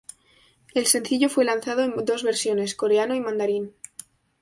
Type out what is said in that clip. El sencillo fue lanzado en dos versiones: Coreano y Mandarín.